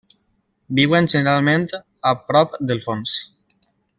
Viuen generalment a prop del fons.